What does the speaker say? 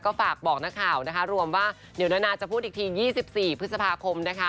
ก็ฝากบอกนักข่าวนะคะรวมว่าเดี๋ยวนานาจะพูดอีกที๒๔พฤษภาคมนะคะ